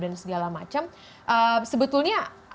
dan segala macam sebetulnya